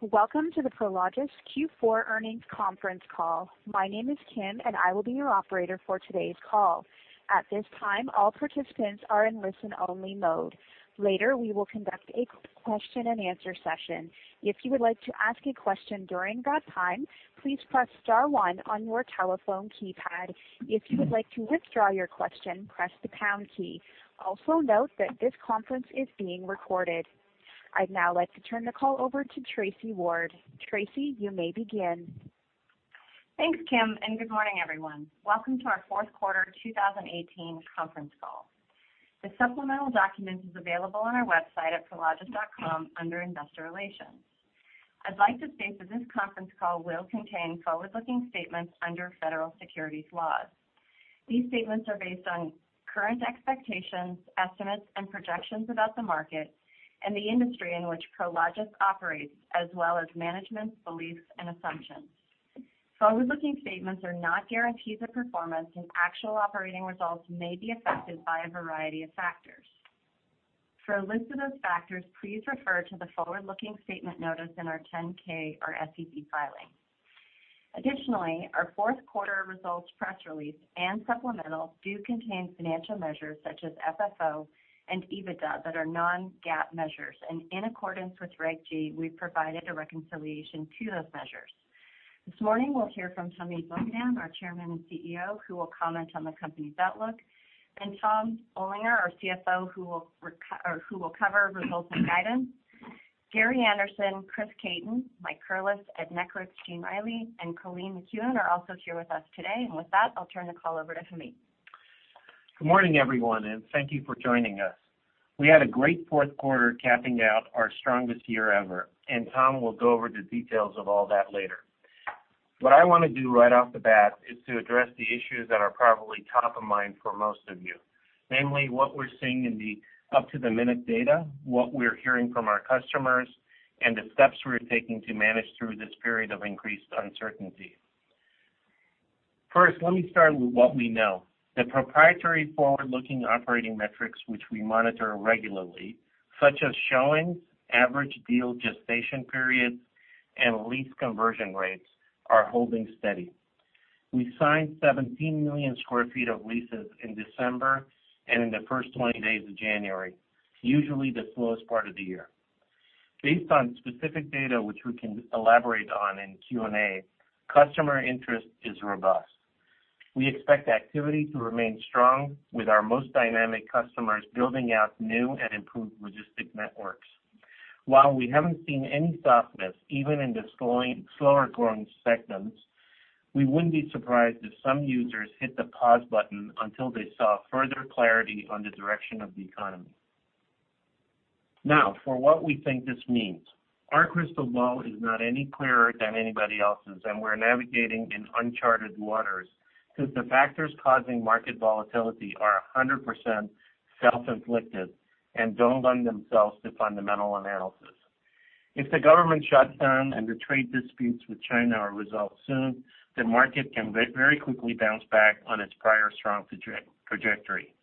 Welcome to the Prologis Q4 Earnings Conference Call. My name is Kim and I will be your operator for today's call. At this time, all participants are in listen-only mode. Later, we will conduct a question-and answer-session. If you would like to ask a question during that time, please press star one on your telephone keypad. If you would like to withdraw your question, press the pound key. Also note that this conference is being recorded. I'd now like to turn the call over to Tracy Ward. Tracy, you may begin. Thanks, Kim, and good morning, everyone. Welcome to our fourth quarter 2018 conference call. The supplemental documents is available on our website at prologis.com under Investor Relations. I'd like to state that this conference call will contain forward-looking statements under federal securities laws. These statements are based on current expectations, estimates, and projections about the market and the industry in which Prologis operates, as well as management's beliefs and assumptions. Forward-looking statements are not guarantees of performance, and actual operating results may be affected by a variety of factors. For a list of those factors, please refer to the forward-looking statement notice in our 10-K or SEC filing. Additionally, our fourth quarter results press release and supplemental do contain financial measures such as FFO and EBITDA that are non-GAAP measures. In accordance with Reg G, we've provided a reconciliation to those measures. This morning we'll hear from Hamid Moghadam, our Chairman and Chief Executive Officer, who will comment on the company's outlook, and Tom Olinger, our CFO, who will cover results and guidance. Gary Anderson, Chris Caton, Mike Curless, Ed Nekritz, Gene Reilly, and Colleen McEwen are also here with us today. With that, I'll turn the call over to Hamid. Good morning, everyone, and thank you for joining us. We had a great fourth quarter capping out our strongest year ever, and Tom will go over the details of all that later. What I want to do right off the bat is to address the issues that are probably top of mind for most of you. Namely, what we're seeing in the up-to-the-minute data, what we're hearing from our customers, and the steps we're taking to manage through this period of increased uncertainty. First, let me start with what we know. The proprietary forward-looking operating metrics which we monitor regularly, such as showings, average deal gestation periods, and lease conversion rates, are holding steady. We signed 17 million sq ft of leases in December and in the first 20 days of January, usually the slowest part of the year. Based on specific data which we can elaborate on in Q&A, customer interest is robust. We expect activity to remain strong with our most dynamic customers building out new and improved logistic networks. While we haven't seen any softness even in the slower growing segments, we wouldn't be surprised if some users hit the pause button until they saw further clarity on the direction of the economy. For what we think this means. Our crystal ball is not any clearer than anybody else's, and we're navigating in uncharted waters because the factors causing market volatility are 100% self-inflicted and don't lend themselves to fundamental analysis. If the government shutdown and the trade disputes with China are resolved soon, the market can very quickly bounce back on its prior strong trajectory.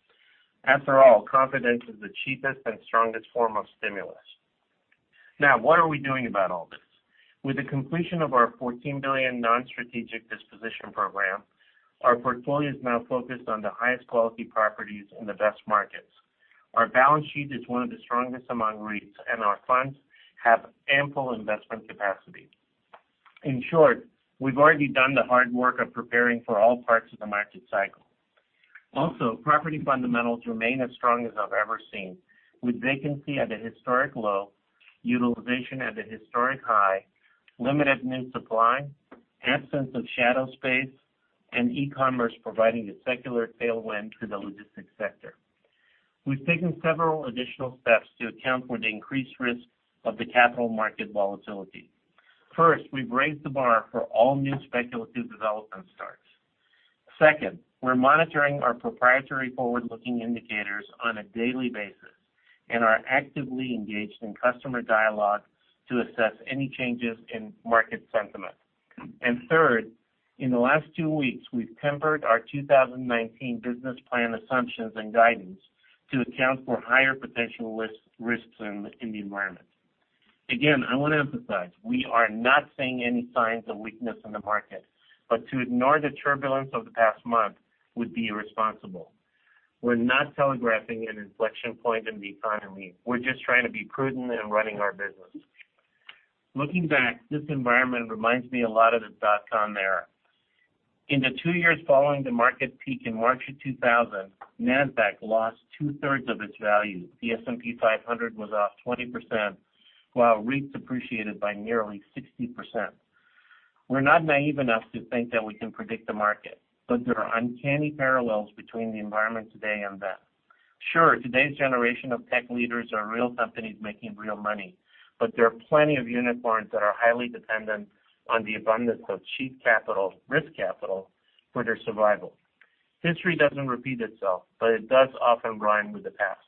After all, confidence is the cheapest and strongest form of stimulus. What are we doing about all this? With the completion of our $14 billion non-strategic disposition program, our portfolio is now focused on the highest quality properties in the best markets. Our balance sheet is one of the strongest among REITs, and our funds have ample investment capacity. In short, we've already done the hard work of preparing for all parts of the market cycle. Property fundamentals remain as strong as I've ever seen, with vacancy at a historic low, utilization at a historic high, limited new supply, absence of shadow space, and e-commerce providing a secular tailwind to the logistics sector. We've taken several additional steps to account for the increased risk of the capital market volatility. First, we've raised the bar for all new speculative development starts. Second, we're monitoring our proprietary forward-looking indicators on a daily basis and are actively engaged in customer dialogue to assess any changes in market sentiment. Third, in the last two weeks, we've tempered our 2019 business plan assumptions and guidance to account for higher potential risks in the environment. I want to emphasize, we are not seeing any signs of weakness in the market, but to ignore the turbulence of the past month would be irresponsible. We're not telegraphing an inflection point in the economy. We're just trying to be prudent in running our business. Looking back, this environment reminds me a lot of the dot com era. In the two years following the market peak in March of 2000, Nasdaq lost two-thirds of its value. The S&P 500 was off 20%, while REITs appreciated by nearly 60%. We're not naive enough to think that we can predict the market, but there are uncanny parallels between the environment today and then. Today's generation of tech leaders are real companies making real money. There are plenty of unicorns that are highly dependent on the abundance of cheap capital, risk capital, for their survival. History doesn't repeat itself, it does often rhyme with the past.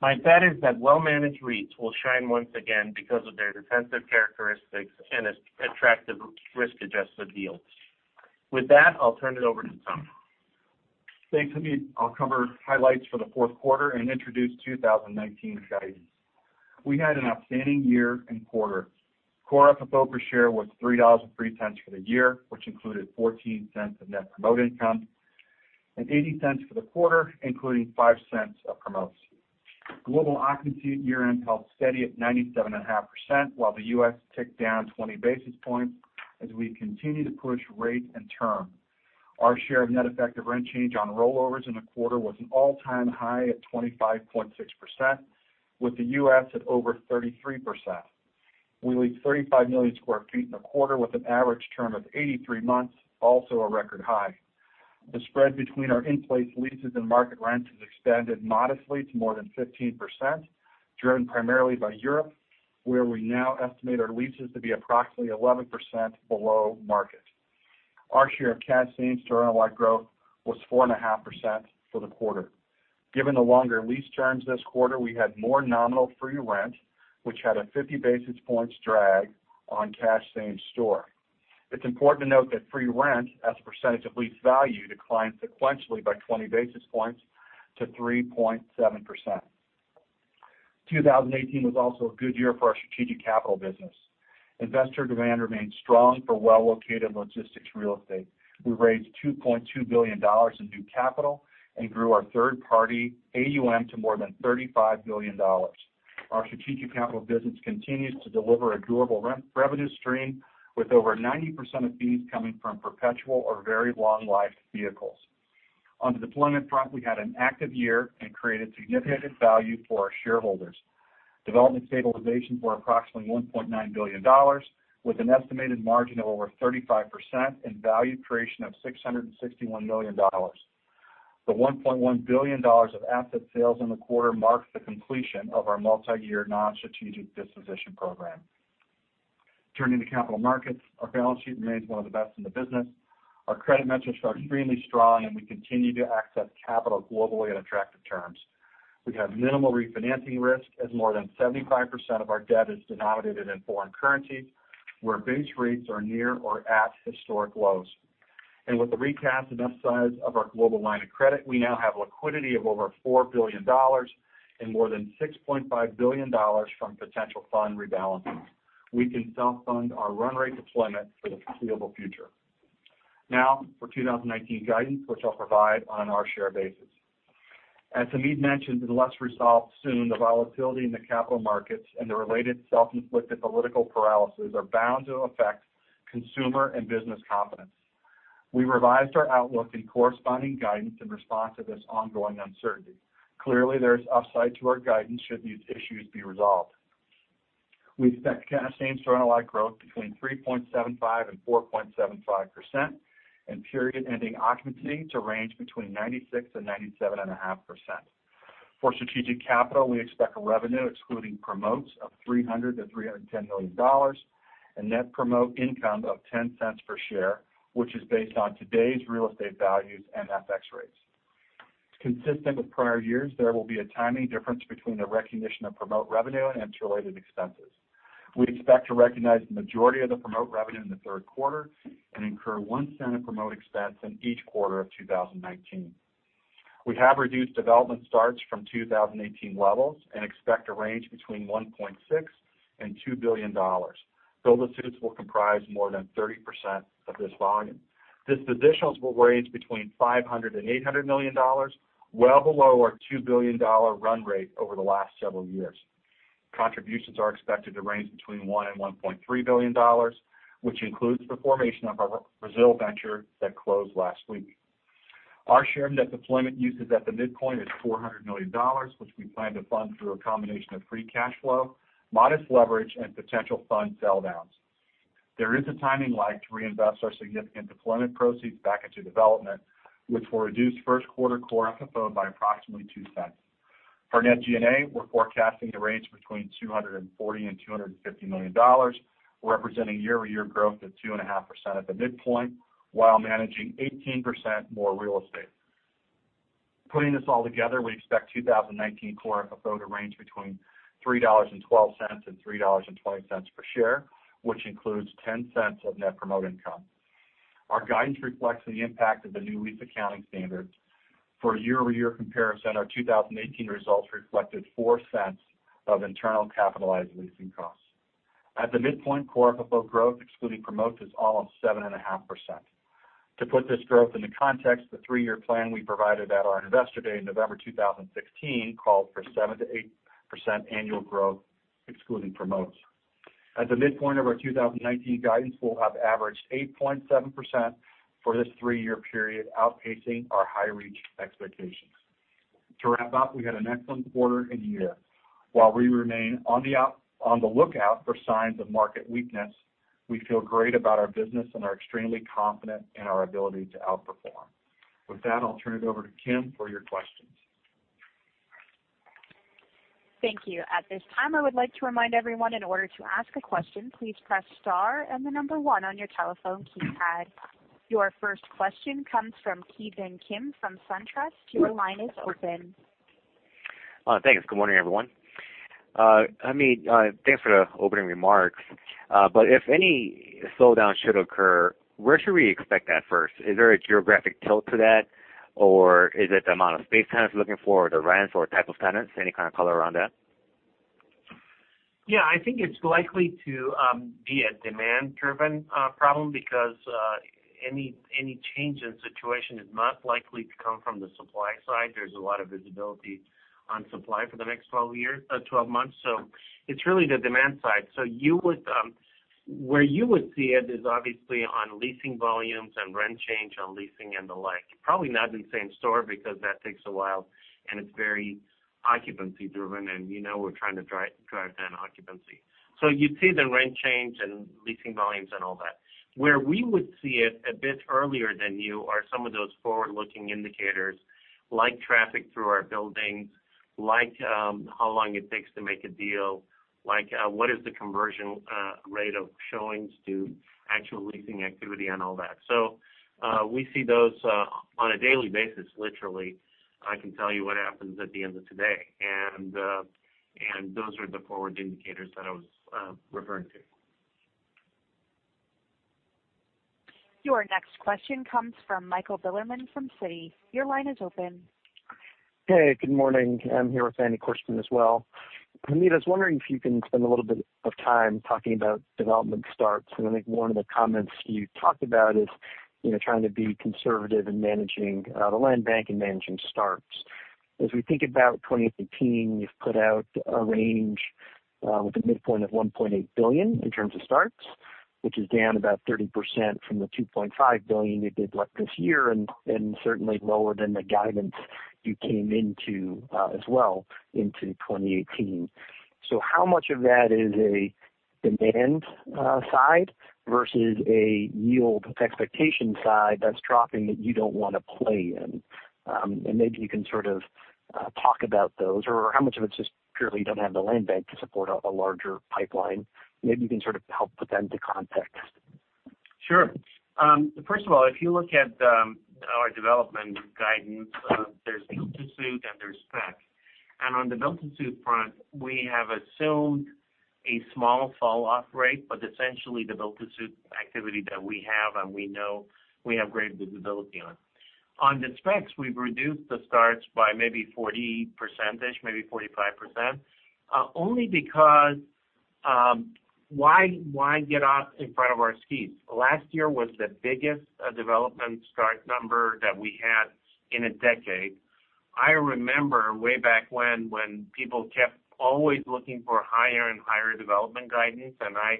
My bet is that well-managed REITs will shine once again because of their defensive characteristics and attractive risk-adjusted deals. With that, I'll turn it over to Tom. Thanks, Hamid. I'll cover highlights for the fourth quarter and introduce 2019 guidance. We had an outstanding year and quarter. Core FFO per share was $3.03 for the year, which included $0.14 of net promote income, and $0.80 for the quarter, including $0.05 of promotes. Global occupancy year-end held steady at 97.5%, while the U.S. ticked down 20 basis points as we continue to push rate and term. Our share of net effective rent change on rollovers in the quarter was an all-time high of 25.6%, with the U.S. at over 33%. We leased 35 million square feet in the quarter with an average term of 83 months, also a record high. The spread between our in-place leases and market rents has expanded modestly to more than 15%, driven primarily by Europe, where we now estimate our leases to be approximately 11% below market. Our share of cash same-store NOI growth was 4.5% for the quarter. Given the longer lease terms this quarter, we had more nominal free rent, which had a 50 basis points drag on cash same-store. It's important to note that free rent as a percentage of lease value declined sequentially by 20 basis points to 3.7%. 2018 was also a good year for our strategic capital business. Investor demand remained strong for well-located logistics real estate. We raised $2.2 billion in new capital and grew our third party AUM to more than $35 billion. Our strategic capital business continues to deliver a durable revenue stream, with over 90% of fees coming from perpetual or very long-lived vehicles. On the deployment front, we had an active year and created significant value for our shareholders. Development stabilization for approximately $1.9 billion with an estimated margin of over 35% and value creation of $661 million. The $1.1 billion of asset sales in the quarter marked the completion of our multi-year non-strategic disposition program. Turning to capital markets, our balance sheet remains one of the best in the business. Our credit metrics are extremely strong, and we continue to access capital globally at attractive terms. We have minimal refinancing risk as more than 75% of our debt is denominated in foreign currency, where base rates are near or at historic lows. With the recast and upsize of our global line of credit, we now have liquidity of over $4 billion and more than $6.5 billion from potential fund rebalancing. We can self-fund our run rate deployment for the foreseeable future. Now, for 2019 guidance, which I'll provide on our share basis. As Hamid mentioned, unless resolved soon, the volatility in the capital markets and the related self-inflicted political paralysis are bound to affect consumer and business confidence. We revised our outlook and corresponding guidance in response to this ongoing uncertainty. Clearly, there's upside to our guidance should these issues be resolved. We expect cash same-store NOI growth between 3.75% and 4.75%, and period ending occupancy to range between 96% and 97.5%. For strategic capital, we expect revenue excluding promotes of $300 million to $310 million and net promote income of $0.10 per share, which is based on today's real estate values and FX rates. Consistent with prior years, there will be a timing difference between the recognition of promote revenue and its related expenses. We expect to recognize the majority of the promote revenue in the third quarter and incur $0.01 of promote expense in each quarter of 2019. We have reduced development starts from 2018 levels and expect a range between $1.6 billion and $2 billion. Build-to-suits will comprise more than 30% of this volume. Dispositions will range between $500 million and $800 million, well below our $2 billion run rate over the last several years. Contributions are expected to range between $1 billion and $1.3 billion, which includes the formation of our Brazil venture that closed last week. Our share net deployment usage at the midpoint is $400 million, which we plan to fund through a combination of free cash flow, modest leverage, and potential fund sell downs. There is a timing lag to reinvest our significant deployment proceeds back into development, which will reduce first quarter Core FFO by approximately $0.02. For net G&A, we're forecasting to range between $240 million and $250 million, representing year-over-year growth of 2.5% at the midpoint while managing 18% more real estate. Putting this all together, we expect 2019 Core FFO to range between $3.12 and $3.20 per share, which includes $0.10 of net promote income. Our guidance reflects the impact of the new lease accounting standard. For a year-over-year comparison, our 2018 results reflected $0.04 of internal capitalized leasing costs. At the midpoint, Core FFO growth excluding promotes is almost 7.5%. To put this growth into context, the three-year plan we provided at our Investor Day in November 2016 called for 7%-8% annual growth excluding promotes. At the midpoint of our 2019 guidance, we'll have averaged 8.7% for this three-year period, outpacing our high reach expectations. To wrap up, we had an excellent quarter and year. While we remain on the lookout for signs of market weakness, we feel great about our business and are extremely confident in our ability to outperform. With that, I'll turn it over to Kim for your questions. Thank you. At this time, I would like to remind everyone in order to ask a question, please press star and the number 1 on your telephone keypad. Your first question comes from Ki Bin Kim from SunTrust. Your line is open. Thanks. Good morning, everyone. Hamid, thanks for the opening remarks. If any slowdown should occur, where should we expect that first? Is there a geographic tilt to that, or is it the amount of space tenants are looking for, the rents, or type of tenants? Any kind of color around that? I think it's likely to be a demand-driven problem because any change in situation is most likely to come from the supply side. There's a lot of visibility on supply for the next 12 months, it's really the demand side. Where you would see it is obviously on leasing volumes and rent change on leasing and the like. Probably not in same store because that takes a while, and it's very occupancy-driven, and you know we're trying to drive down occupancy. You'd see the rent change in leasing volumes and all that. Where we would see it a bit earlier than you are some of those forward-looking indicators like traffic through our buildings, like how long it takes to make a deal, like what is the conversion rate of showings to actual leasing activity, and all that. We see those on a daily basis, literally. I can tell you what happens at the end of today. Those are the forward indicators that I was referring to. Your next question comes from Michael Bilerman from Citi. Your line is open. Hey, good morning. I'm here with Andy Korston as well. Hamid, I was wondering if you can spend a little bit of time talking about development starts. I think one of the comments you talked about is trying to be conservative in managing the land bank and managing starts. As we think about 2018, you've put out a range with a midpoint of $1.8 billion in terms of starts. Which is down about 30% from the $2.5 billion you did last this year, and certainly lower than the guidance you came into as well into 2018. How much of that is a demand side versus a yield expectation side that's dropping that you don't want to play in? Maybe you can sort of talk about those, or how much of it's just purely you don't have the land bank to support a larger pipeline. Maybe you can sort of help put that into context. Sure. First of all, if you look at our development guidance, there's Build-to-suit and there's spec. On the Build-to-suit front, we have assumed a small fall-off rate, but essentially the Build-to-suit activity that we have and we know we have great visibility on. On the specs, we've reduced the starts by maybe 40%, maybe 45%, only because why get out in front of our skis? Last year was the biggest development start number that we had in a decade. I remember way back when people kept always looking for higher and higher development guidance. I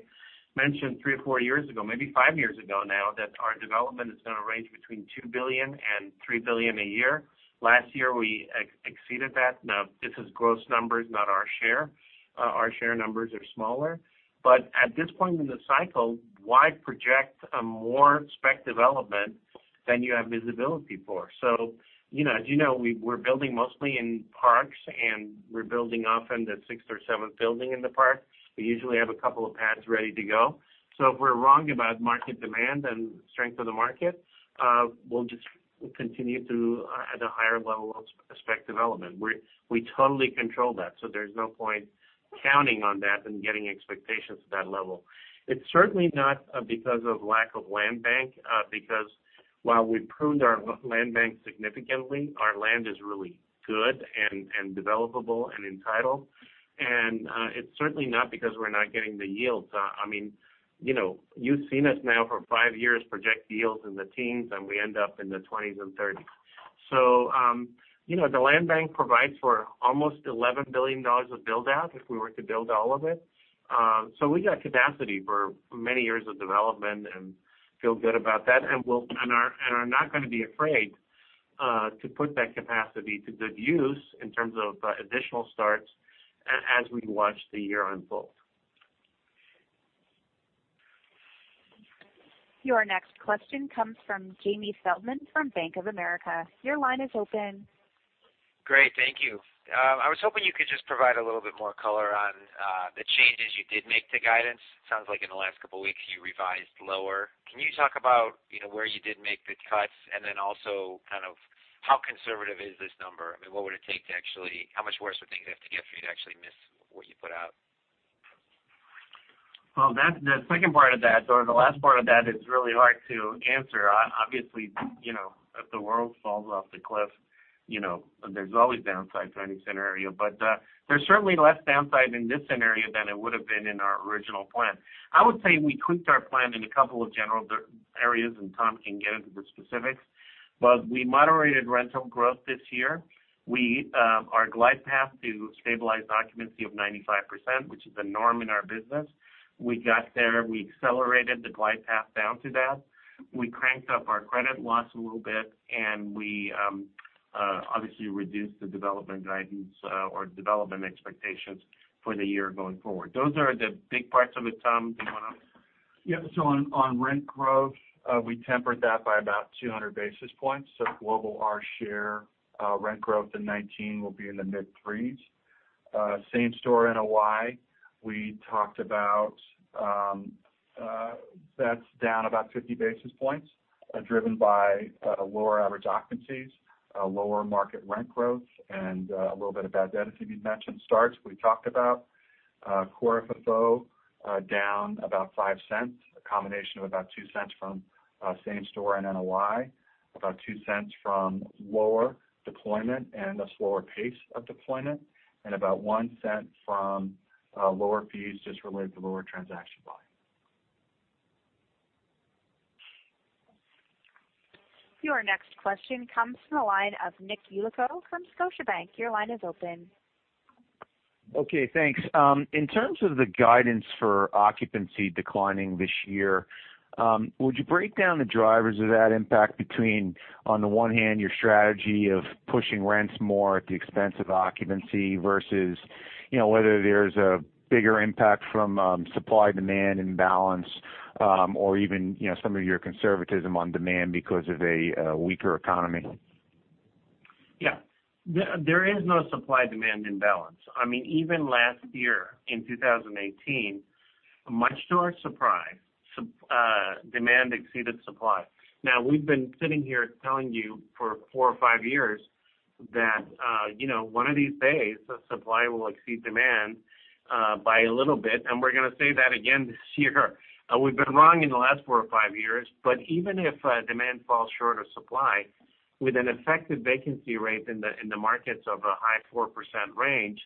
mentioned three or four years ago, maybe five years ago now, that our development is going to range between $2 billion and $3 billion a year. Last year, we exceeded that. Now, this is gross numbers, not our share. Our share numbers are smaller. At this point in the cycle, why project a more spec development than you have visibility for? As you know, we're building mostly in parks, and we're building often the sixth or seventh building in the park. We usually have a couple of pads ready to go. If we're wrong about market demand and strength of the market, we'll just continue to at a higher level of spec development. We totally control that, so there's no point counting on that and getting expectations at that level. It's certainly not because of lack of land bank, because while we pruned our land bank significantly, our land is really good and developable and entitled. It's certainly not because we're not getting the yields. You've seen us now for five years project yields in the teens, and we end up in the twenties and thirties. The land bank provides for almost $11 billion of build-out if we were to build all of it. We got capacity for many years of development and feel good about that, and are not going to be afraid to put that capacity to good use in terms of additional starts as we watch the year unfold. Your next question comes from Jamie Feldman from Bank of America. Your line is open. Great. Thank you. I was hoping you could just provide a little bit more color on the changes you did make to guidance. Sounds like in the last couple of weeks, you revised lower. Can you talk about where you did make the cuts, and then also kind of how conservative is this number? I mean, how much worse would things have to get for you to actually miss what you put out? The second part of that or the last part of that is really hard to answer. Obviously, if the world falls off the cliff, there's always downside to any scenario. There's certainly less downside in this scenario than it would have been in our original plan. I would say we tweaked our plan in a couple of general areas, and Tom can get into the specifics. We moderated rental growth this year. Our glide path to stabilized occupancy of 95%, which is the norm in our business. We got there. We accelerated the glide path down to that. We cranked up our credit loss a little bit, and we obviously reduced the development guidance or development expectations for the year going forward. Those are the big parts of it. Tom, do you want to- Yeah. On rent growth, we tempered that by about 200 basis points. Global, our share rent growth in 2019 will be in the mid-threes. Same store NOI, we talked about that is down about 50 basis points, driven by lower average occupancies, lower market rent growth, and a little bit of bad debt, as you mentioned. Starts, we talked about. Core FFO, down about $0.05, a combination of about $0.02 from same store and NOI, about $0.02 from lower deployment and a slower pace of deployment, and about $0.01 from lower fees just related to lower transaction volume. Your next question comes from the line of Nick Yulico from Scotiabank. Your line is open. Thanks. In terms of the guidance for occupancy declining this year, would you break down the drivers of that impact between, on the one hand, your strategy of pushing rents more at the expense of occupancy versus whether there is a bigger impact from supply-demand imbalance, or even some of your conservatism on demand because of a weaker economy? Yeah. There is no supply-demand imbalance. Even last year, in 2018, much to our surprise, demand exceeded supply. We've been sitting here telling you for four or five years that one of these days, the supply will exceed demand by a little bit, and we're going to say that again this year. We've been wrong in the last four or five years. But even if demand falls short of supply, with an effective vacancy rate in the markets of a high 4% range,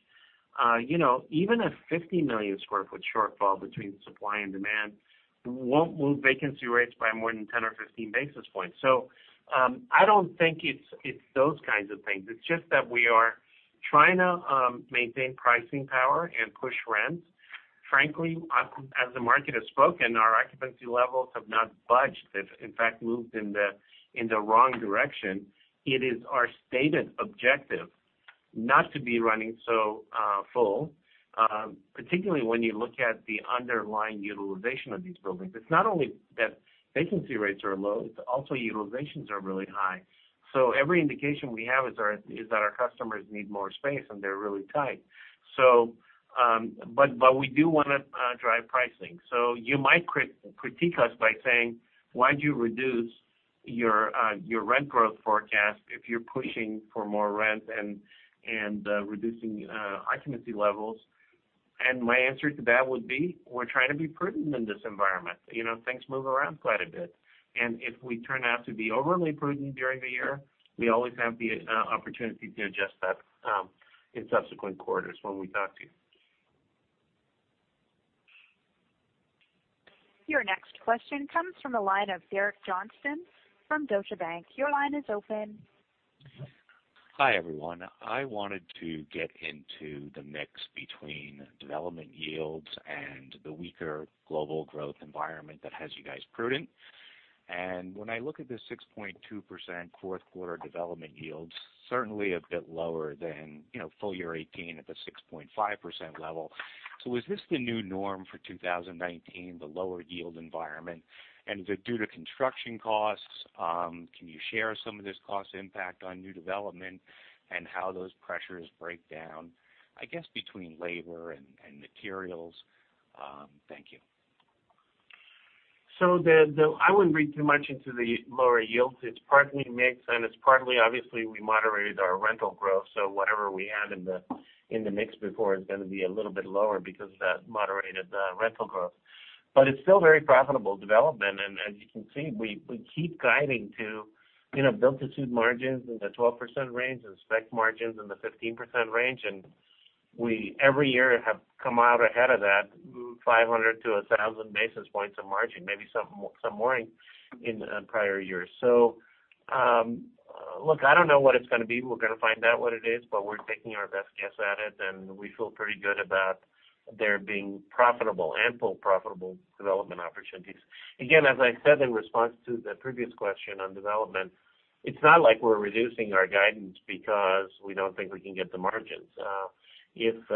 even a 50-million-square-foot shortfall between supply and demand won't move vacancy rates by more than 10 or 15 basis points. I don't think it's those kinds of things. It's just that we are trying to maintain pricing power and push rents. Frankly, as the market has spoken, our occupancy levels have not budged. They've, in fact, moved in the wrong direction. It is our stated objective not to be running so full, particularly when you look at the underlying utilization of these buildings. It's not only that vacancy rates are low, it's also utilizations are really high. Every indication we have is that our customers need more space, and they're really tight. We do want to drive pricing. You might critique us by saying, "Why'd you reduce your rent growth forecast if you're pushing for more rent and reducing occupancy levels?" My answer to that would be, we're trying to be prudent in this environment. Things move around quite a bit. If we turn out to be overly prudent during the year, we always have the opportunity to adjust that in subsequent quarters when we talk to you. Your next question comes from the line of Derek Johnston from Deutsche Bank. Your line is open. Hi, everyone. I wanted to get into the mix between development yields and the weaker global growth environment that has you guys prudent. When I look at the 6.2% fourth quarter development yields, certainly a bit lower than full year 2018 at the 6.5% level. Is this the new norm for 2019, the lower yield environment? Is it due to construction costs? Can you share some of this cost impact on new development and how those pressures break down, I guess, between labor and materials? Thank you. I wouldn't read too much into the lower yields. It is partly mix. It is partly, obviously, we moderated our rental growth. Whatever we had in the mix before is going to be a little bit lower because of that moderated rental growth. It is still very profitable development. As you can see, we keep guiding to build-to-suit margins in the 12% range and spec margins in the 15% range. We, every year, have come out ahead of that, moved 500 to 1,000 basis points of margin, maybe some more in prior years. Look, I don't know what it is going to be. We are going to find out what it is. We are taking our best guess at it. We feel pretty good about there being ample profitable development opportunities. As I said in response to the previous question on development, it is not like we are reducing our guidance because we do not think we can get the margins. If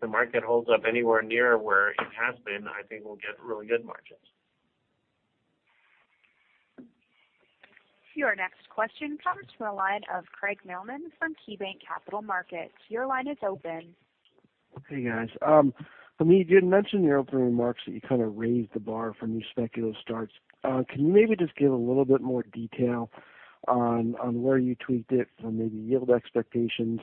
the market holds up anywhere near where it has been, I think we will get really good margins. Your next question comes from the line of Craig Mailman from KeyBanc Capital Markets. Your line is open. Hey, guys. Hamid, you had mentioned in your opening remarks that you kind of raised the bar for new speculative starts. Can you maybe just give a little bit more detail on where you tweaked it for maybe yield expectations?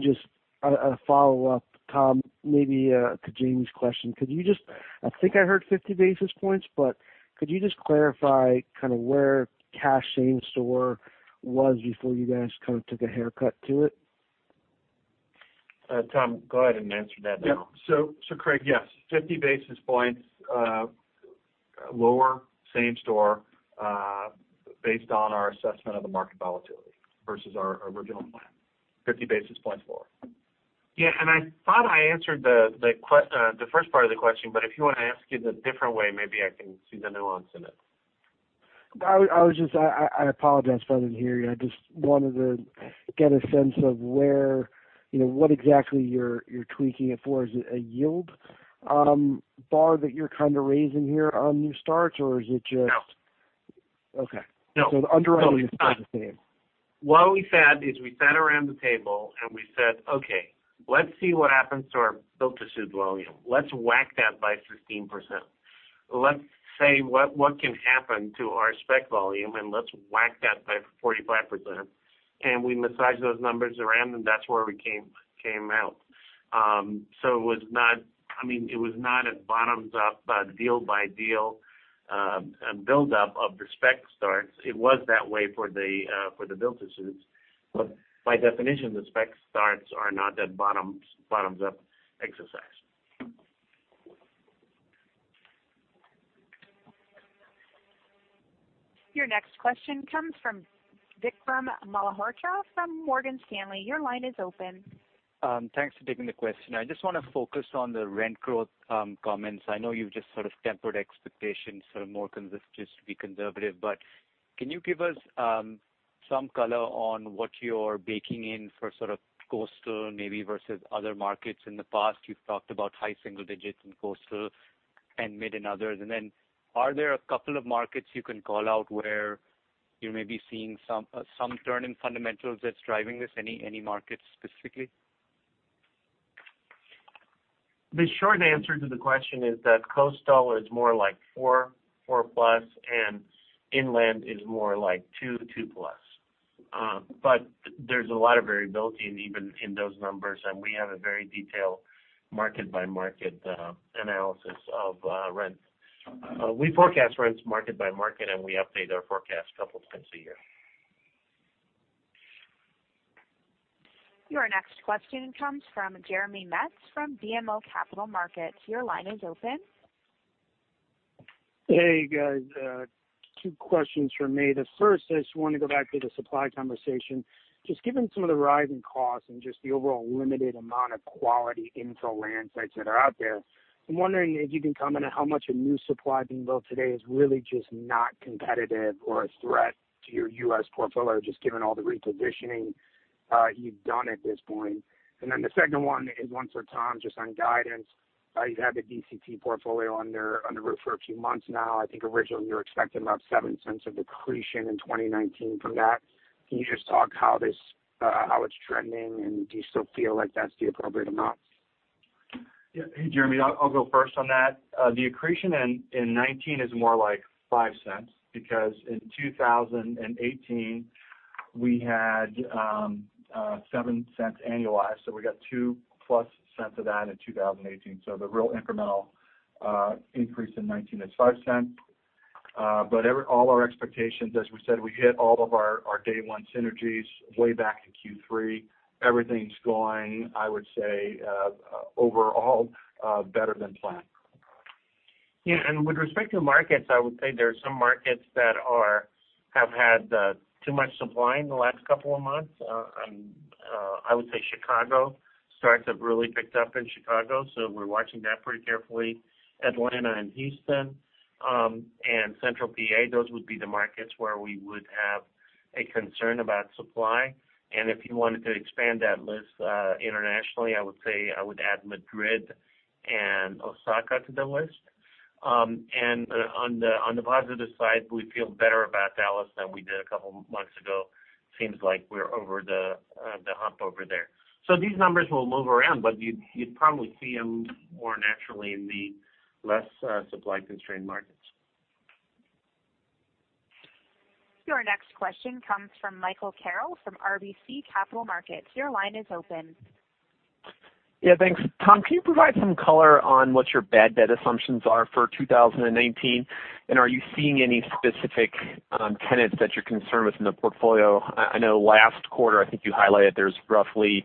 Just a follow-up, Tom, maybe to Jamie's question. I think I heard 50 basis points. Could you just clarify where cash same store was before you guys took a haircut to it? Tom, go ahead and answer that now. Yeah. Craig, yes, 50 basis points lower same store based on our assessment of the market volatility versus our original plan. 50 basis points lower. Yeah, I thought I answered the first part of the question, but if you want to ask it a different way, maybe I can see the nuance in it. I apologize for not hearing you. I just wanted to get a sense of what exactly you're tweaking it for. Is it a yield bar that you're kind of raising here on new starts? Okay. The underwriting is still the same. What we said is we sat around the table and we said, "Okay, let's see what happens to our Build-to-suit volume. Let's whack that by 15%. Let's say what can happen to our spec volume, let's whack that by 45%." We massaged those numbers around, that's where we came out. It was not a bottoms-up, deal-by-deal buildup of the spec starts. It was that way for the Build-to-suits. By definition, the spec starts are not a bottoms-up exercise. Your next question comes from Vikram Malhotra from Morgan Stanley. Your line is open. Thanks for taking the question. I just want to focus on the rent growth comments. I know you've just sort of tempered expectations, sort of more just to be conservative, but can you give us some color on what you're baking in for sort of coastal maybe versus other markets? In the past, you've talked about high single digits in coastal and mid in others. Then are there a couple of markets you can call out where you may be seeing some turn in fundamentals that's driving this? Any markets specifically? The short answer to the question is that coastal is more like 4+, and inland is more like 2+. There's a lot of variability even in those numbers, and we have a very detailed market-by-market analysis of rent. We forecast rents market by market, and we update our forecast a couple times a year. Your next question comes from Jeremy Metz from BMO Capital Markets. Your line is open. Hey, guys. Two questions from me. The first, I just want to go back to the supply conversation. Given some of the rising costs and just the overall limited amount of quality infill land sites that are out there, I'm wondering if you can comment on how much of new supply being built today is really just not competitive or a threat to your U.S. portfolio, just given all the repositioning you've done at this point. The second one is one for Tom, just on guidance. You've had the DCT portfolio under roof for a few months now. I think originally you were expecting about $0.07 of accretion in 2019 from that. Can you just talk how it's trending, and do you still feel like that's the appropriate amount? Yeah. Hey, Jeremy. I'll go first on that. The accretion in 2019 is more like $0.05, because in 2018, we had $0.07 annualized. We got $0.02+ of that in 2018. All our expectations, as we said, we hit all of our day one synergies way back in Q3. Everything's going, I would say, overall better than planned. With respect to markets, I would say there are some markets that have had too much supply in the last couple of months. I would say Chicago, starts have really picked up in Chicago, so we're watching that pretty carefully. Atlanta and Houston, and Central PA, those would be the markets where we would have a concern about supply. If you wanted to expand that list internationally, I would say I would add Madrid and Osaka to the list. On the positive side, we feel better about Dallas than we did a couple months ago. Seems like we're over the hump over there. These numbers will move around, but you'd probably see them more naturally in the less supply-constrained markets. Your next question comes from Michael Carroll from RBC Capital Markets. Your line is open. Yeah, thanks. Tom, can you provide some color on what your bad debt assumptions are for 2019? Are you seeing any specific tenants that you're concerned with in the portfolio? I know last quarter, I think you highlighted there's roughly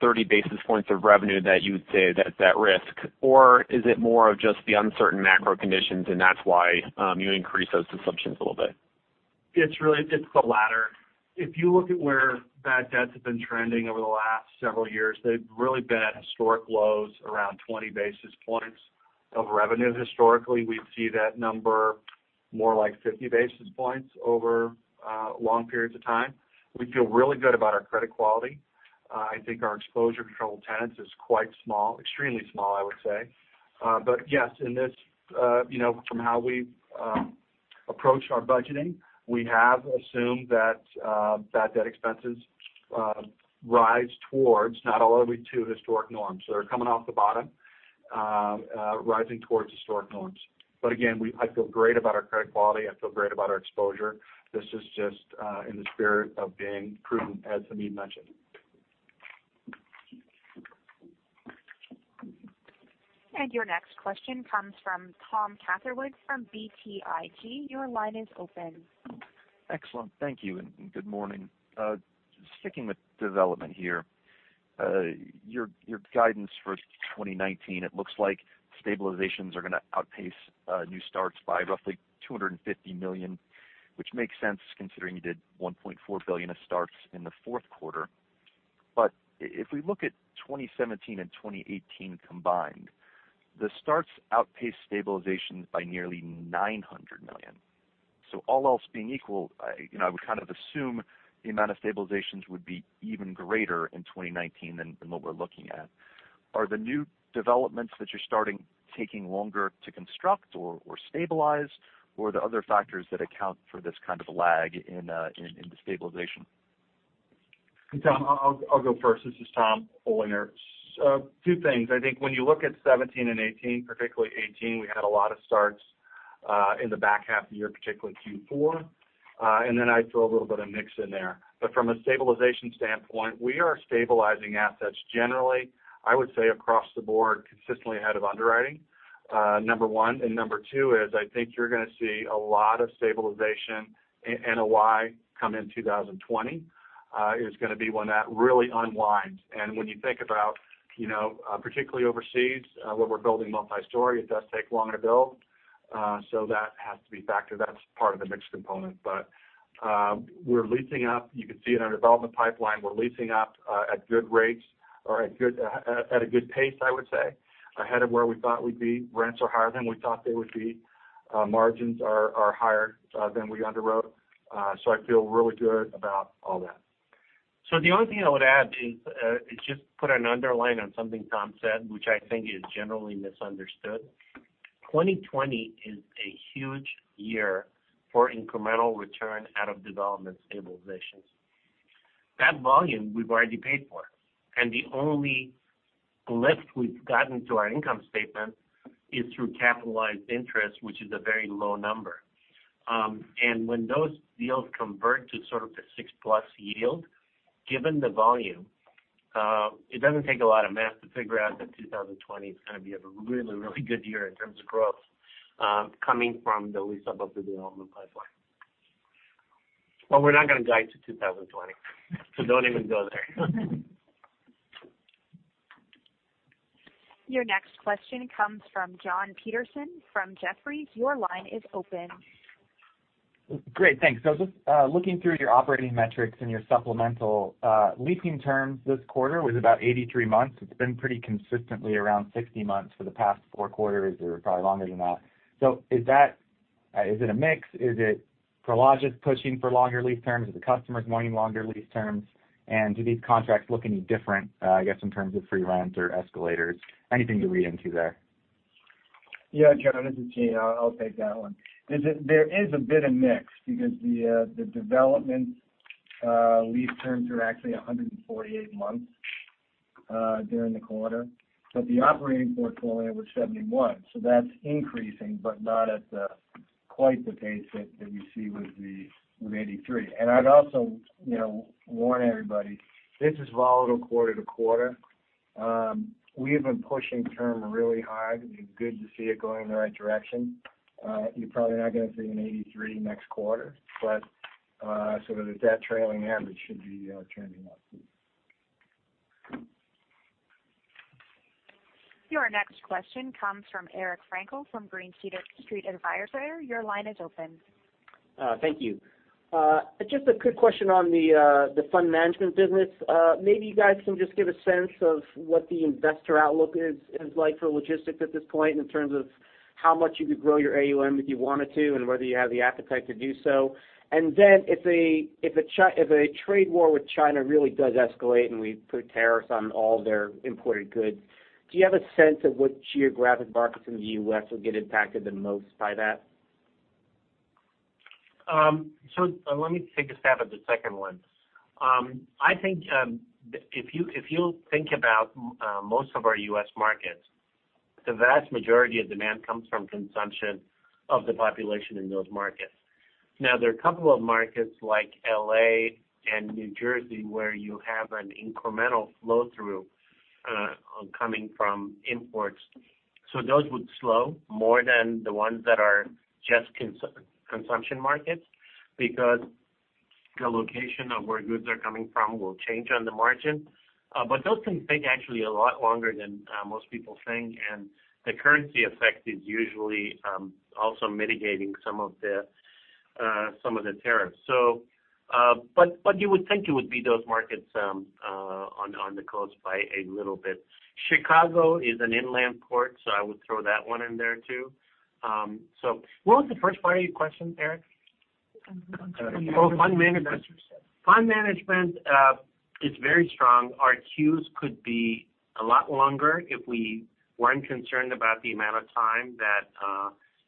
30 basis points of revenue that you would say that's at risk. Is it more of just the uncertain macro conditions and that's why you increased those assumptions a little bit? It's the latter. If you look at where bad debts have been trending over the last several years, they've really been at historic lows, around 20 basis points of revenue. Historically, we'd see that number more like 50 basis points over long periods of time. We feel really good about our credit quality. I think our exposure to troubled tenants is quite small, extremely small, I would say. Yes, from how we've approached our budgeting, we have assumed that bad debt expenses rise towards, not all the way to, historic norms. They're coming off the bottom, rising towards historic norms. Again, I feel great about our credit quality. I feel great about our exposure. This is just in the spirit of being prudent, as Hamid mentioned. Your next question comes from Thomas Catherwood from BTIG. Your line is open. Excellent. Thank you, and good morning. Sticking with development here. Your guidance for 2019, it looks like stabilizations are going to outpace new starts by roughly $250 million, which makes sense considering you did $1.4 billion of starts in the fourth quarter. If we look at 2017 and 2018 combined, the starts outpaced stabilizations by nearly $900 million. All else being equal, I would kind of assume the amount of stabilizations would be even greater in 2019 than what we're looking at. Are the new developments that you're starting taking longer to construct or stabilize? The other factors that account for this kind of lag in the stabilization? Tom, I'll go first. This is Tom Olinger. Two things. I think when you look at 2017 and 2018, particularly 2018, we had a lot of starts in the back half of the year, particularly Q4. Then I throw a little bit of mix in there. From a stabilization standpoint, we are stabilizing assets generally, I would say across the board, consistently ahead of underwriting, number one. Number two is I think you're going to see a lot of stabilization in N.Y. come in 2020. It is going to be one that really unwinds. When you think about, particularly overseas, where we're building multi-story, it does take longer to build. That has to be factored. That's part of the mix component. We're leasing up. You can see it in our development pipeline. We're leasing up at good rates or at a good pace, I would say, ahead of where we thought we'd be. Rents are higher than we thought they would be. Margins are higher than we underwrote. I feel really good about all that. The only thing I would add is just put an underline on something Tom said, which I think is generally misunderstood. 2020 is a huge year for incremental return out of development stabilizations. That volume we've already paid for, and the only lift we've gotten to our income statement is through capitalized interest, which is a very low number. When those deals convert to sort of the six-plus yield, given the volume, it doesn't take a lot of math to figure out that 2020 is going to be a really good year in terms of growth coming from the lease-up of the development pipeline. We're not going to guide to 2020. Don't even go there. Your next question comes from Jonathan Petersen from Jefferies. Your line is open. Great. Thanks. Just looking through your operating metrics and your supplemental leasing terms this quarter was about 83 months. It's been pretty consistently around 60 months for the past four quarters, or probably longer than that. Is it a mix? Is it Prologis pushing for longer lease terms? Are the customers wanting longer lease terms? Do these contracts look any different, I guess, in terms of free rents or escalators? Anything to read into there? Jon this is Gene Reilly. I'll take that one. There is a bit of mix because the development lease terms are actually 148 months during the quarter. The operating portfolio was 71. That's increasing, but not at the quite the pace that you see with 83. I'd also warn everybody, this is volatile quarter-to-quarter. We have been pushing term really hard. It'd be good to see it going in the right direction. You're probably not going to see an 83 next quarter, but sort of the debt trailing average should be trending up too. Your next question comes from Eric Frankel from Green Street Advisors. Your line is open. Thank you. Just a quick question on the fund management business. Maybe you guys can just give a sense of what the investor outlook is like for logistics at this point in terms of how much you could grow your AUM if you wanted to and whether you have the appetite to do so. If a trade war with China really does escalate and we put tariffs on all their imported goods, do you have a sense of which geographic markets in the U.S. will get impacted the most by that? Let me take a stab at the second one. I think if you think about most of our U.S. markets, the vast majority of demand comes from consumption of the population in those markets. Now, there are a couple of markets like L.A. and New Jersey where you have an incremental flow-through coming from imports. Those would slow more than the ones that are just consumption markets because the location of where goods are coming from will change on the margin. Those can take actually a lot longer than most people think, and the currency effect is usually also mitigating some of the tariffs. You would think it would be those markets on the coast by a little bit. Chicago is an inland port, I would throw that one in there, too. What was the first part of your question, Eric? On fund management. Oh, fund management. Fund management is very strong. Our queues could be a lot longer if we weren't concerned about the amount of time that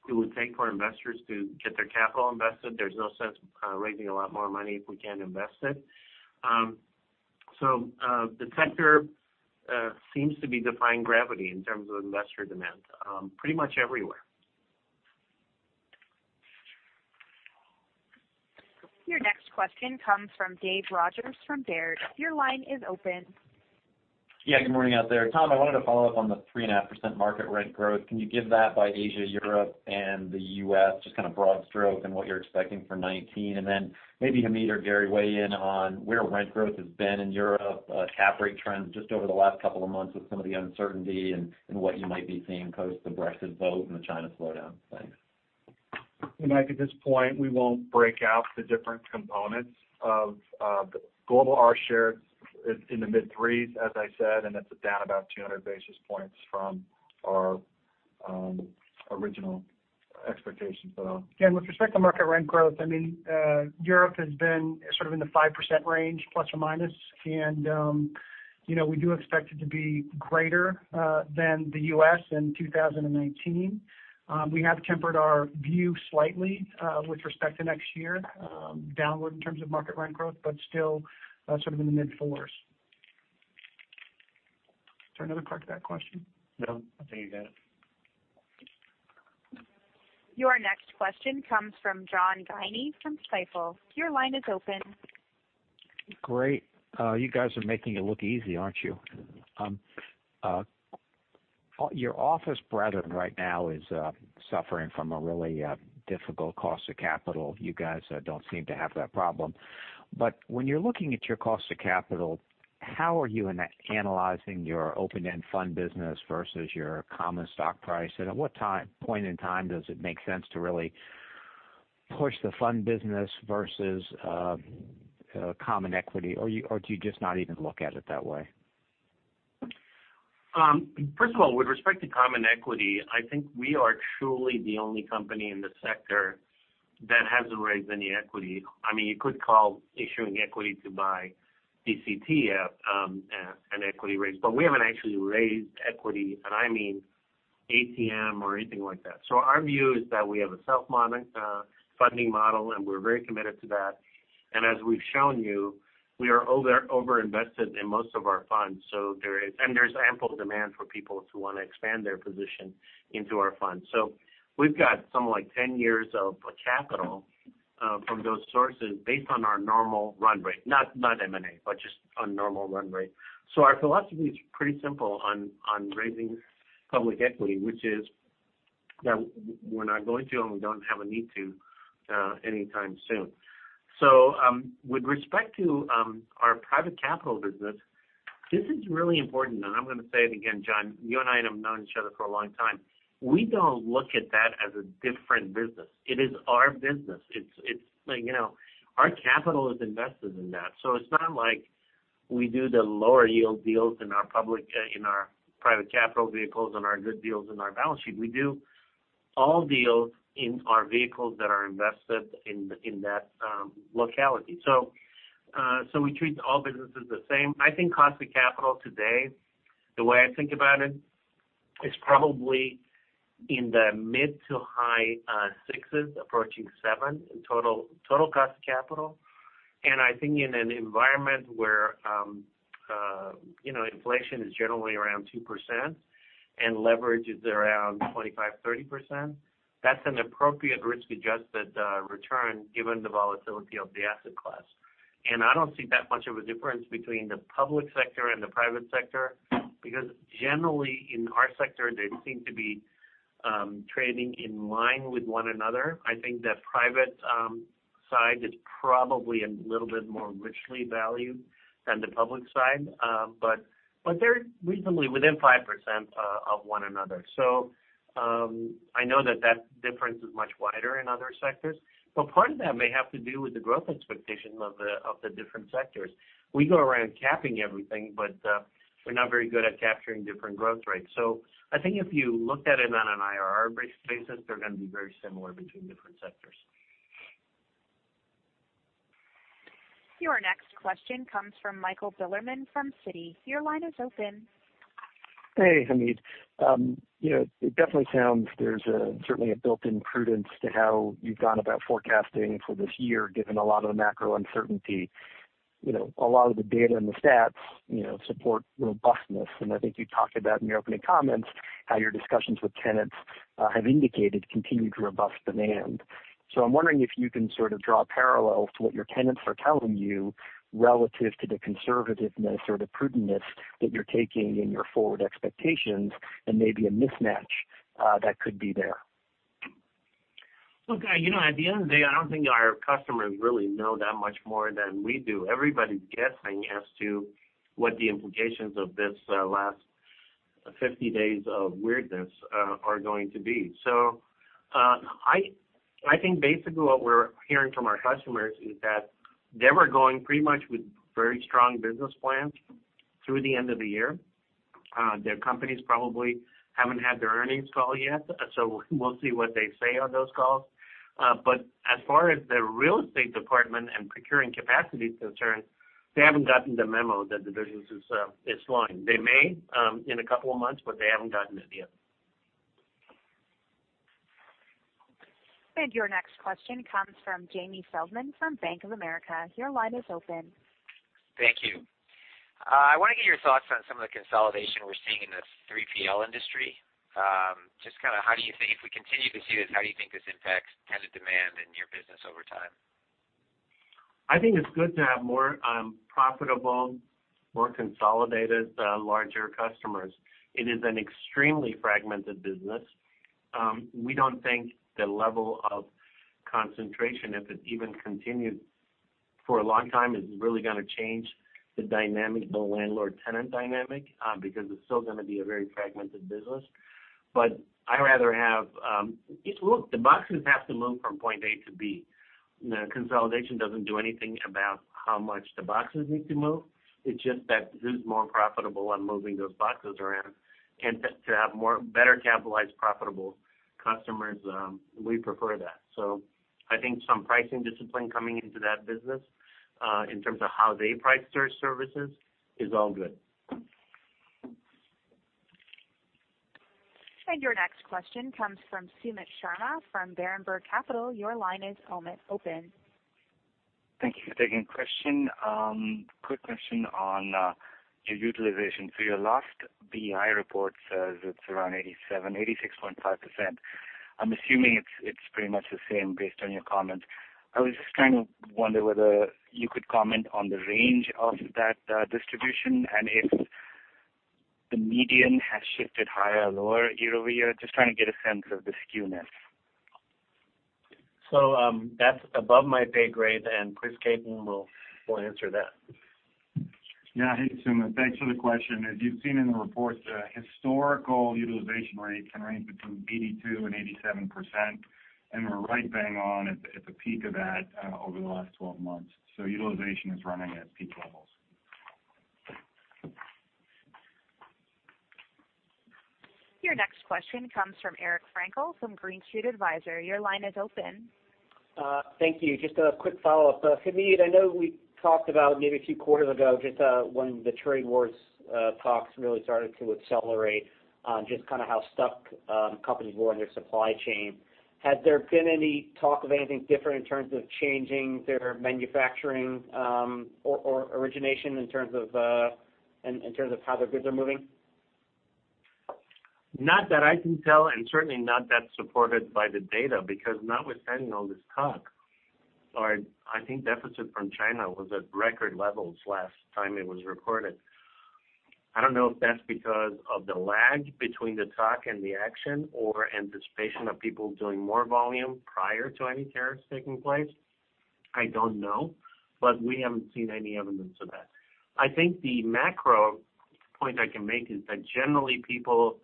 it would take for investors to get their capital invested. There's no sense raising a lot more money if we can't invest it. The sector seems to be defying gravity in terms of investor demand pretty much everywhere. Your next question comes from Dave Rodgers from Baird. Your line is open. Yeah. Good morning out there. Tom, I wanted to follow up on the 3.5% market rent growth. Can you give that by Asia, Europe, and the U.S., just kind of broad stroke and what you're expecting for 2019? Maybe Hamid or Gary weigh in on where rent growth has been in Europe, cap rate trends just over the last couple of months with some of the uncertainty, and what you might be seeing post the Brexit vote and the China slowdown. Thanks. David, at this point, we won't break out the different components of global R shares in the mid 3s, as I said, and it's down about 200 basis points from our Original expectations. Dave, with respect to market rent growth, Europe has been sort of in the 5% range, plus or minus. We do expect it to be greater than the U.S. in 2019. We have tempered our view slightly with respect to next year, downward in terms of market rent growth, but still sort of in the mid 4s. Is there another part to that question? No, I think you got it. Your next question comes from John Guinee from Stifel. Your line is open. Great. You guys are making it look easy, aren't you? Your office brethren right now is suffering from a really difficult cost of capital. You guys don't seem to have that problem. When you're looking at your cost of capital, how are you analyzing your open-end fund business versus your common stock price? At what point in time does it make sense to really push the fund business versus common equity? Do you just not even look at it that way? First of all, with respect to common equity, I think we are truly the only company in the sector that hasn't raised any equity. You could call issuing equity to buy DCT an equity raise, but we haven't actually raised equity, I mean ATM or anything like that. Our view is that we have a self-funding model, and we're very committed to that. As we've shown you, we are over-invested in most of our funds. There's ample demand for people to want to expand their position into our funds. We've got something like 10 years of capital from those sources based on our normal run rate, not M&A, but just on normal run rate. Our philosophy is pretty simple on raising public equity, which is that we're not going to, and we don't have a need to anytime soon. With respect to our private capital business, this is really important, and I'm going to say it again, John. You and I have known each other for a long time. We don't look at that as a different business. It is our business. Our capital is invested in that. It's not like we do the lower yield deals in our private capital vehicles and our good deals in our balance sheet. We do all deals in our vehicles that are invested in that locality. We treat all businesses the same. I think cost of capital today, the way I think about it, is probably in the mid to high sixes, approaching seven in total cost of capital. I think in an environment where inflation is generally around 2% and leverage is around 25%-30%, that's an appropriate risk-adjusted return given the volatility of the asset class. I don't see that much of a difference between the public sector and the private sector, because generally in our sector, they seem to be trading in line with one another. I think the private side is probably a little bit more richly valued than the public side. They're reasonably within 5% of one another. I know that that difference is much wider in other sectors, part of that may have to do with the growth expectations of the different sectors. We go around capping everything, we're not very good at capturing different growth rates. I think if you looked at it on an IRR basis, they're going to be very similar between different sectors. Your next question comes from Michael Bilerman from Citi. Your line is open. Hey, Hamid. It definitely sounds there's certainly a built-in prudence to how you've gone about forecasting for this year, given a lot of the macro uncertainty. A lot of the data and the stats support robustness, and I think you talked about in your opening comments how your discussions with tenants have indicated continued robust demand. I'm wondering if you can sort of draw parallels to what your tenants are telling you relative to the conservativeness or the prudence that you're taking in your forward expectations and maybe a mismatch that could be there. Look, at the end of the day, I don't think our customers really know that much more than we do. Everybody's guessing as to what the implications of this last 50 days of weirdness are going to be. I think basically what we're hearing from our customers is that they were going pretty much with very strong business plans through the end of the year. Their companies probably haven't had their earnings call yet, we'll see what they say on those calls. As far as the real estate department and procuring capacity is concerned, they haven't gotten the memo that the business is slowing. They may in a couple of months, they haven't gotten it yet. Your next question comes from Jamie Feldman from Bank of America. Your line is open. Thank you. I want to get your thoughts on some of the consolidation we're seeing in the 3PL industry. If we continue to see this, how do you think this impacts tenant demand in your business over time? I think it's good to have more profitable, more consolidated, larger customers. It is an extremely fragmented business. We don't think the level of concentration, if it even continues for a long time, is really going to change the landlord-tenant dynamic because it's still going to be a very fragmented business. The boxes have to move from point A to B. Consolidation doesn't do anything about how much the boxes need to move. It's just that who's more profitable on moving those boxes around, and to have more better capitalized, profitable customers, we prefer that. I think some pricing discipline coming into that business, in terms of how they price their services, is all good. Your next question comes from Sumit Sharma from Berenberg Capital. Your line is open. Thank you for taking the question. Quick question on your utilization. Your last IBI report says it's around 87, 86.5%. I'm assuming it's pretty much the same based on your comments. I was just kind of wonder whether you could comment on the range of that distribution and if the median has shifted higher or lower year-over-year. Just trying to get a sense of the skewness. That's above my pay grade, and Chris Caton will answer that. Hey, Sumit. Thanks for the question. As you've seen in the reports, the historical utilization rate can range between 82%-87%, and we're right bang on at the peak of that over the last 12 months. Utilization is running at peak levels. Your next question comes from Eric Frankel from Green Street Advisors. Your line is open. Thank you. Just a quick follow-up. Hamid, I know we talked about maybe a few quarters ago, just when the trade wars talks really started to accelerate on just how stuck companies were in their supply chain. Has there been any talk of anything different in terms of changing their manufacturing, or origination in terms of how their goods are moving? Not that I can tell, certainly not that's supported by the data, because notwithstanding all this talk, or I think deficit from China was at record levels last time it was reported. I don't know if that's because of the lag between the talk and the action or anticipation of people doing more volume prior to any tariffs taking place. I don't know, we haven't seen any evidence of that. I think the macro point I can make is that generally people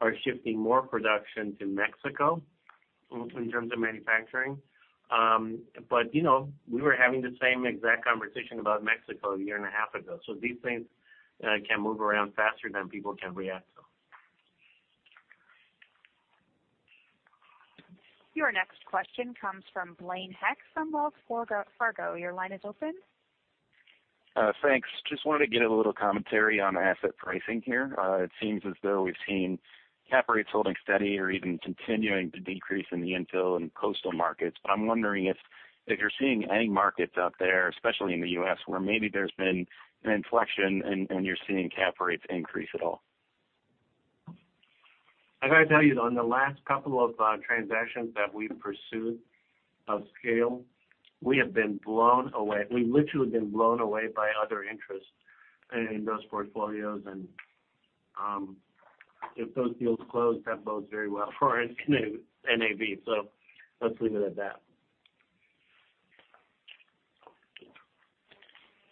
are shifting more production to Mexico in terms of manufacturing. We were having the same exact conversation about Mexico a year and a half ago. These things can move around faster than people can react to them. Your next question comes from Blaine Heck from Wells Fargo. Your line is open. Thanks. Just wanted to get a little commentary on asset pricing here. It seems as though we've seen cap rates holding steady or even continuing to decrease in the infill and coastal markets, I'm wondering if you're seeing any markets out there, especially in the U.S., where maybe there's been an inflection and you're seeing cap rates increase at all. I got to tell you, on the last couple of transactions that we've pursued of scale, we have been blown away. We've literally been blown away by other interest in those portfolios and if those deals close, that bodes very well for our NAV. Let's leave it at that.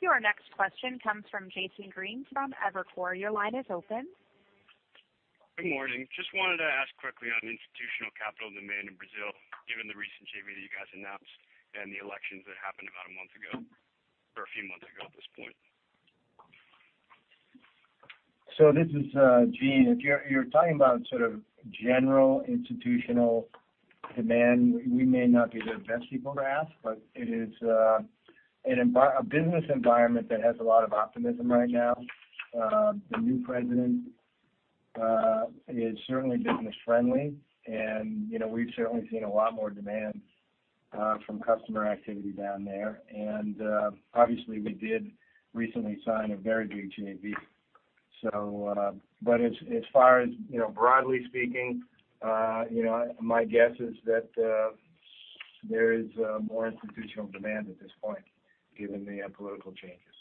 Your next question comes from Jason Green from Evercore. Your line is open. Good morning. Just wanted to ask quickly on institutional capital demand in Brazil, given the recent JV that you guys announced and the elections that happened about a month ago, or a few months ago at this point. This is Gene. If you're talking about sort of general institutional demand, we may not be the best people to ask, but it is a business environment that has a lot of optimism right now. The new president is certainly business friendly, and we've certainly seen a lot more demand from customer activity down there. Obviously, we did recently sign a very big JV. As far as broadly speaking, my guess is that there is more institutional demand at this point given the political changes.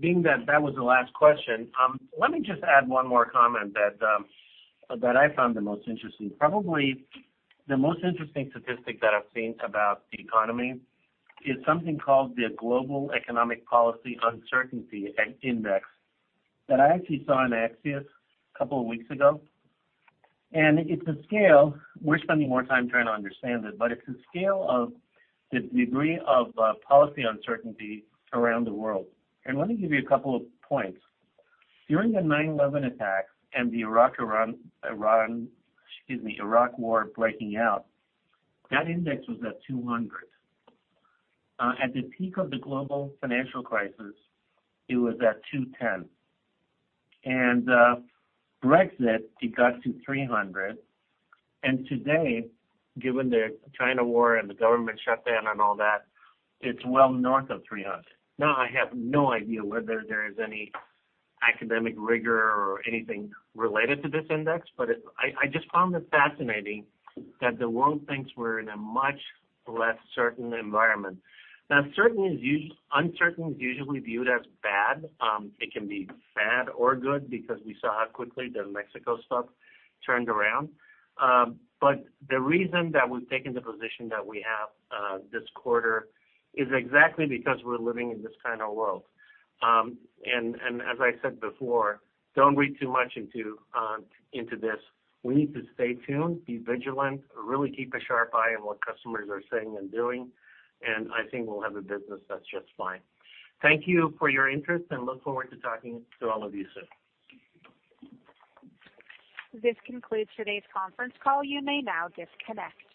Being that that was the last question, let me just add one more comment that I found the most interesting. Probably the most interesting statistic that I've seen about the economy is something called the Global Economic Policy Uncertainty Index that I actually saw in Axios 2 weeks ago. It's a scale, we're spending more time trying to understand it, but it's a scale of the degree of policy uncertainty around the world. Let me give you 2 points. During the 9/11 attacks and the Iraq War breaking out, that index was at 200. At the peak of the global financial crisis, it was at 210. Brexit, it got to 300, and today, given the China war and the government shutdown and all that, it's well north of 300. Now, I have no idea whether there is any academic rigor or anything related to this index, but I just found this fascinating that the world thinks we're in a much less certain environment. Now, uncertain is usually viewed as bad. It can be bad or good because we saw how quickly the Mexico stuff turned around. The reason that we've taken the position that we have this quarter is exactly because we're living in this kind of world. As I said before, don't read too much into this. We need to stay tuned, be vigilant, really keep a sharp eye on what customers are saying and doing, and I think we'll have a business that's just fine. Thank you for your interest and look forward to talking to all of you soon. This concludes today's conference call. You may now disconnect.